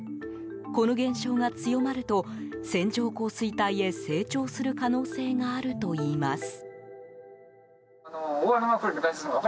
この現象が強まると線状降水帯へ成長する可能性があるといいます。